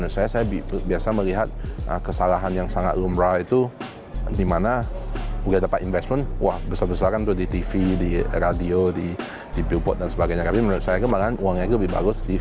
setelah itu startup adalah pengelolaan dana yang kurang tepat